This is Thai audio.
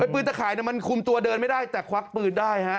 ปืนตะข่ายมันคุมตัวเดินไม่ได้แต่ควักปืนได้ฮะ